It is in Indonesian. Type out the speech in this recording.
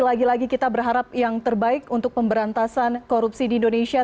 lagi lagi kita berharap yang terbaik untuk pemberantasan korupsi di indonesia